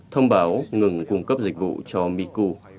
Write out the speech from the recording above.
thông báo ngừng cung cấp dịch vụ cho miku